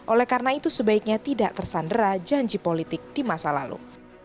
oleh karena itu sebaiknya tidak tersandera janji politik di masa lalu